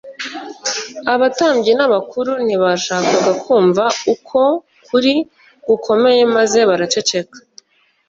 abatambyi n’abakuru ntibashakaga kumva uko kuri gukomeye, maze baraceceka